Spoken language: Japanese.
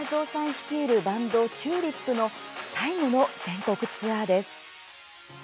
率いるバンド ＴＵＬＩＰ の最後の全国ツアーです。